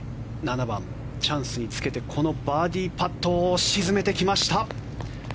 ７番、チャンスにつけてこのバーディーパットを沈めてきました。